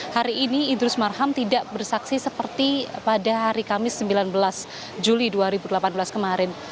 hari ini idrus marham tidak bersaksi seperti pada hari kamis sembilan belas juli dua ribu delapan belas kemarin